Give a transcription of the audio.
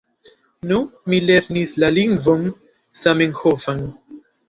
Do, mi lernis la lingvon Zamenhofan.